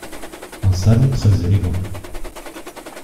Un salon très élégant.